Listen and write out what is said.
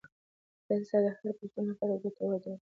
دا کیسه د هر پښتون لپاره یو ګټور درس لري.